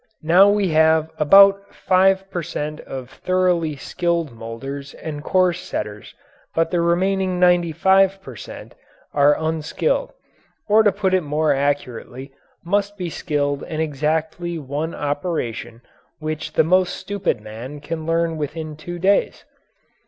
Now we have about five per cent. of thoroughly skilled moulders and core setters, but the remaining 95 per cent. are unskilled, or to put it more accurately, must be skilled in exactly one operation which the most stupid man can learn within two days.